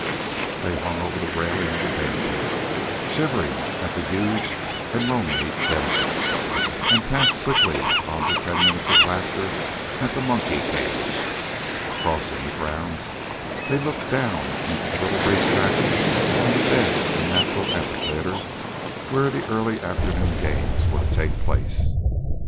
They hung over the railing of the bear pit, shivering at the huge and lonely denizen, and passed quickly on to ten minutes of laughter at the monkey cage. Crossing the grounds, they looked down into the little race track on the bed of a natural amphitheater where the early afternoon games were to take place.